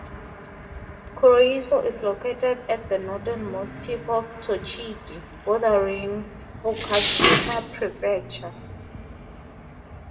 Kuroiso is located at the northernmost tip of Tochigi, bordering Fukushima Prefecture.